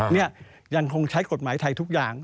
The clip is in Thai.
นี่ยังคงใช้กฎหมายไทยทุกอย่าง